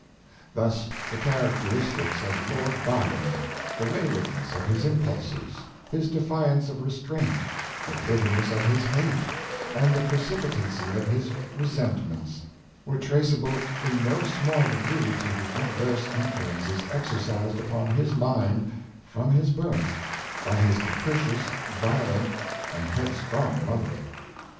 Thus the characteristics of Lord Byron — the waywardness of his impulses, his defiance of restraint, the bitterness of his hate, and the precipi tancy of his resentments — were traceable in no small degree to the adverse influences exercised upon his mind from his birth by his capricious, violent and head strong mother.